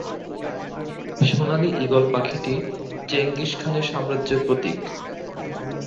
সোনালী eagle পাখিটি Genghis খানের সাম্রাজ্যের প্রতীক।